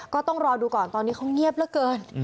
ก็ต้องรอดูก่อนตอนนี้เขาเงียบเหลือเกิน